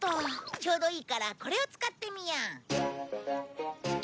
ちょうどいいからこれを使ってみよう。